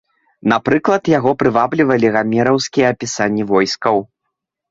Напрыклад, яго прываблівалі гамераўскія апісанні войскаў.